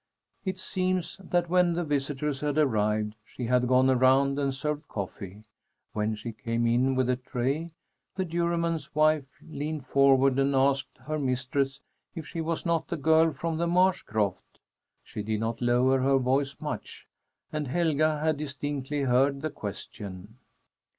It seems that when the visitors had arrived, she had gone around and served coffee. When she came in with the tray, the Juryman's wife leaned forward and asked her mistress if she was not the girl from the marsh croft. She did not lower her voice much, and Helga had distinctly heard the question.